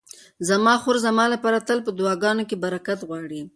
زما خور زما لپاره تل په دعاګانو کې برکت غواړي.